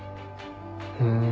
ふん。